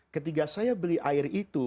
ketika saya beli air itu